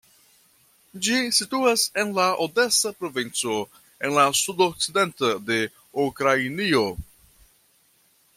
Ĝi situas en la odesa provinco, en la sudokcidento de Ukrainio.